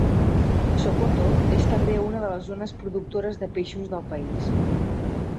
Sokoto és també una de les zones productores de peixos del país.